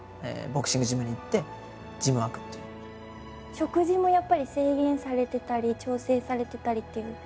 食事もやっぱり制限されてたり調整されてたりという感じですか？